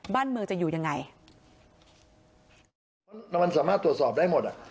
บ้านเมืองจะอยู่ยังไงเพราะมันสามารถตรวจสอบได้หมดอ่ะ